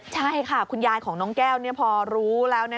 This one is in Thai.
ใช่ค่ะคุณยายของน้องแก้วพอรู้แล้ว